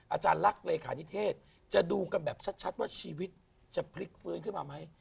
อาจารย์ลักษณ์เลขานิเทศจะดูกันแบบชัดว่าชีวิตจะพลิกฟื้นขึ้นมาไหม